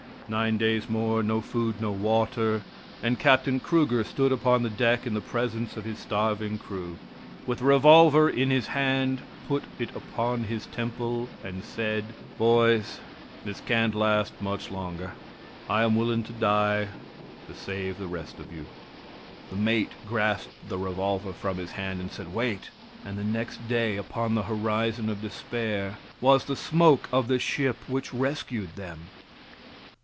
Nine days more no food, no water, and Captain Kruger stood upon the deck in the presence of his starving crew. With a revolver in his hand, put it upon his temple, and said, "Boys, this can't last much longer; I am willing to die to save the rest of you." The mate grasped the revolver from his hand, and said, "Wait;" and the next day upon the horizon of despair was the smoke of the ship which rescued them.